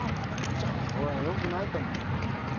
良くないと思う。